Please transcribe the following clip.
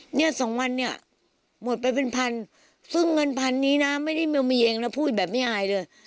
เนี่ยสองวันเนี่ยหมดไปเป็นพันซึ่งเงินพันนี้นะไม่ได้มีเองนะพูดแบบไม่อายเลย